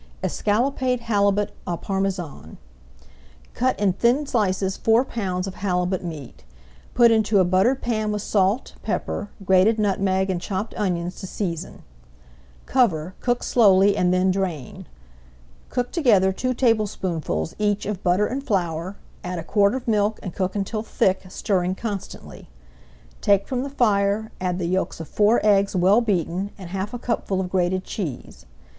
ESCALLOPED HALIBUT AU PARMESAN Cut in thin slices four pounds of halibut meat. Put into a buttered pan with salt, pepper, grated nutmeg, and chopped onions to season. Cover, cook slowly, and then drain. Cook together two tablespoonfuls each of butter and flour, add a quart of milk and cook until thick, stirring constantly. Take from the fire, add the yolks of four eggs well beaten and half a cupful of grated cheese.